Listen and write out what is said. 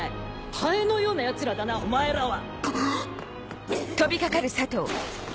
ハエのようなヤツらだなお前らは！